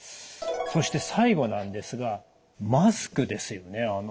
そして最後なんですがマスクですよね。